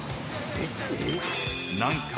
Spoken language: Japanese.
［何か］